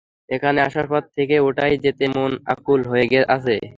এখানে আসার পর থেকেই ওটায় যেতে মন আকুল হয়ে আছে।